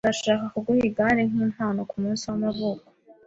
Ndashaka kuguha igare nkimpano kumunsi wamavuko.